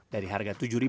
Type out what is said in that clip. dari harga tujuh